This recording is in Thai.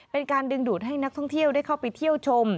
เป็นการดึงดูดให้นักท่องเที่ยวได้เข้าไปเที่ยวชม